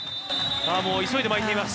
急いで巻いてます。